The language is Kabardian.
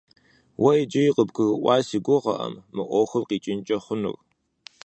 Уэ иджыри къыбгурыӀуа си гугъэкъым мы Ӏуэхум къикӀынкӀэ хъунур.